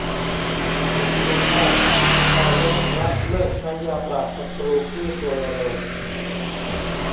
ทางชีวภาพ การลด ละ เลิกใช้ยาปราบศัตรูพืชโดยเร็ว